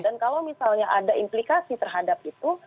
dan kalau misalnya ada implikasi terhadap itu